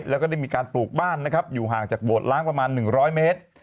แล้วก็ได้มีการปลูกบ้านนะครับอยู่ห่างจากโบสถล้างประมาณ๑๐๐เมตร